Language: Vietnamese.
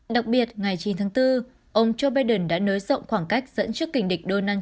đặc biệt ngày chín tháng bốn ông joe biden đã nới rộng khoảng cách dẫn trước kỉnh địch donald